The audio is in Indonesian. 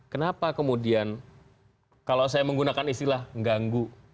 kenapa kemudian kalau saya menggunakan istilah ganggu